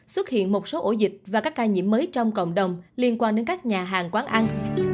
xuất hiện một số ổ dịch và các ca nhiễm mới trong cộng đồng liên quan đến các nhà hàng quán ăn